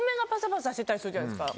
してたりするじゃないですか。